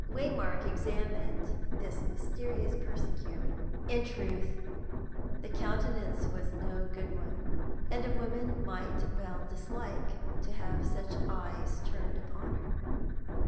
Waymark examined this mysterious persecutor. In truth, the countenance was no good one, and a woman might well dislike to have such eyes turned upon her.